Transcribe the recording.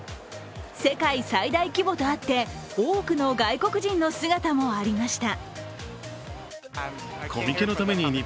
世界最大規模とあって、多くの外国人の姿もありました。